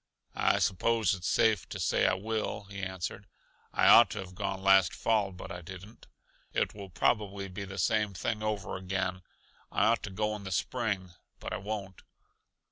"I suppose it's safe to say I will," he answered. "I ought to have gone last fall, but I didn't. It will probably be the same thing over again; I ought to go in the spring, but I won't."